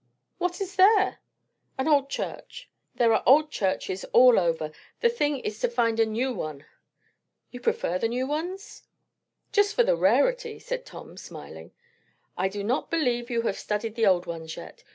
What is there?" "An old church." "There are old churches all over. The thing is to find a new one." "You prefer the new ones?" "Just for the rarity," said Tom, smiling. "I do not believe you have studied the old ones yet.